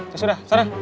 ya sudah sana